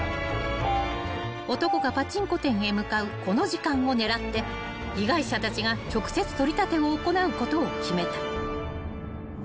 ［男がパチンコ店へ向かうこの時間を狙って被害者たちが直接取り立てを行うことを決めた］